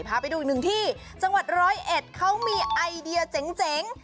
พาไปดูอีกหนึ่งที่จังหวัดร้อยเอ็ดเขามีไอเดียเจ๋ง